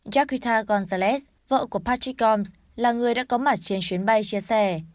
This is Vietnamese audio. jakita gonzalez vợ của patrick gomes là người đã có mặt trên chuyến bay chia xe